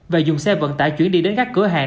và dùng xe vận tải chuyển đi đến các cửa hàng